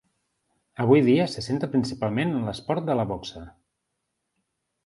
Avui dia se centra principalment en l'esport de la boxa.